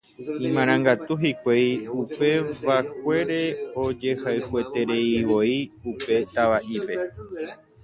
Imarangatu hikuái upevakuére ojehayhuetereivoi upe tava'ípe.